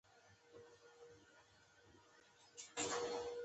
د لیکوال منظور هم همدغه معنا ده.